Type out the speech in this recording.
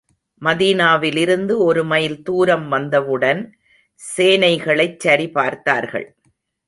மதீனாவிலிருந்து ஒரு மைல் தூரம் வந்தவுடன், சேனைகளைச் சரி பார்த்தார்கள்.